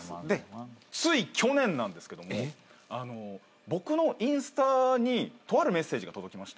つい去年なんですけどもあの僕のインスタにとあるメッセージが届きまして。